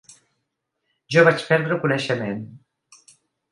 Jo vaig perdre el coneixement.